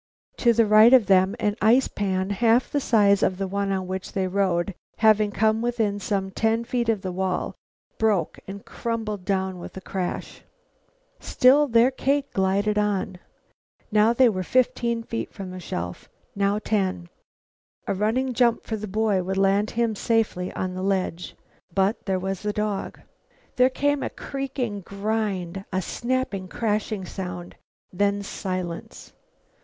To the right of them an ice pan half the size of the one on which they rode, having come within some ten feet of the wall, broke and crumpled down with a crash. Still their cake glided on. Now they were fifteen feet from the shelf, now ten. A running jump for the boy would land him safely on the ledge. But there was the dog. There came a creaking grind, a snapping, crashing sound, then silence.